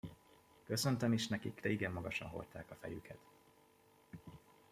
Köszöntem is nekik, de igen magasan hordták a fejüket.